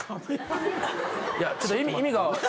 いやちょっと意味が。